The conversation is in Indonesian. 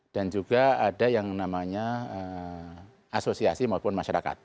dan juga ada yang namanya asosiasi maupun masyarakat